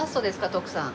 徳さん